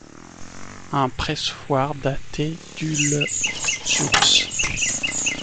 Un pressoir daté du le jouxte.